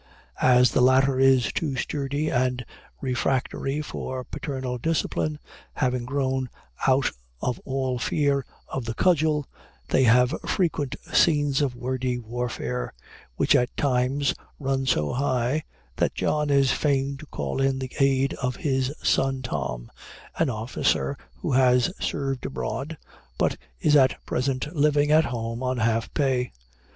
As the latter is too sturdy and refractory for paternal discipline, having grown out of all fear of the cudgel, they have frequent scenes of wordy warfare, which at times run so high, that John is fain to call in the aid of his son Tom, an officer who has served abroad, but is at present living at home, on half pay.